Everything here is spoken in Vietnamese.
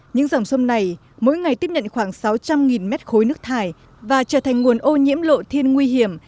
những dòng sông này mỗi ngày tiếp nhận khoảng sáu trăm linh mét khối nước thải và trở thành nguồn ô nhiễm lộ thiên nguy hiểm